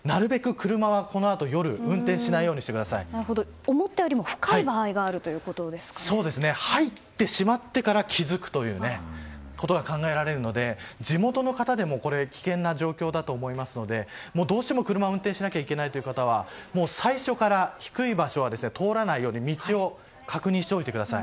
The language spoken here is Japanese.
車は、このあと夜思ったより深い場合がある入ってしまってから気づくことが考えられますので地元の方でも危険な状況だと思うのでどうしても車を運転しなきゃいけないという方は最初から低い場所は通らないように道を確認しておいてください。